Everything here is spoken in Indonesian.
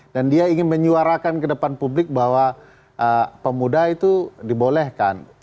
dan dia ingin menyuarakan ke depan publik bahwa pemuda itu dibolehkan